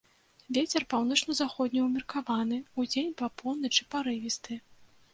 Вецер паўночна-заходні ўмеркаваны, удзень па поўначы парывісты.